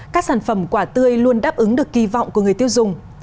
các sản phẩm quả tươi luôn đáp ứng được kỳ vọng của người tiêu dùng